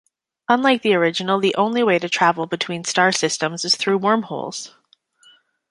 Unlike the original the only way to travel between star systems is through wormholes.